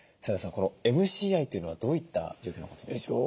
このＭＣＩというのはどういった状況のことでしょうか？